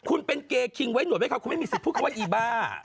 คุณเป็นเกคิงไว้หนวดไว้เขาคุณไม่มีสิทธิ์พูดคำว่าอีบ้า